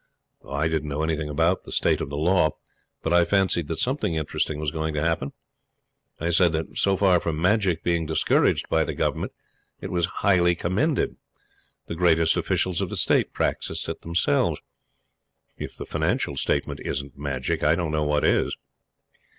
I didn't know anything about the state of the law; but I fancied that something interesting was going to happen. I said that so far from magic being discouraged by the Government it was highly commended. The greatest officials of the State practiced it themselves. (If the Financial Statement isn't magic, I don't know what is.)